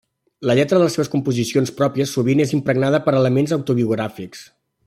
La lletra de les seves composicions pròpies sovint és impregnada per elements autobiogràfics.